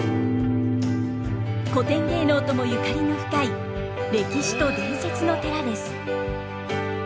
古典芸能ともゆかりの深い歴史と伝説の寺です。